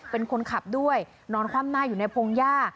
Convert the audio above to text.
เป็นคนขับด้วยนอนคว่ำหน้าอยู่ในพงหญ้า